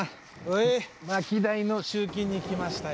薪代の集金に来ましたよ。